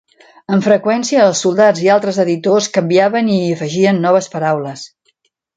Amb freqüència els soldats i altres editors canviaven i hi afegien noves paraules.